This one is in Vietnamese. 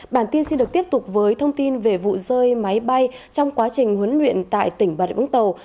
bản tin xin được tiếp tục với thông tin về vụ rơi máy bay trong quá trình huấn luyện tại tỉnh bà rịa úng tàu